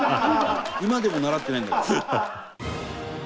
今でも習ってないんだから。